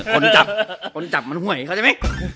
คนจับคนจับมันหวยเขาใช่ไหม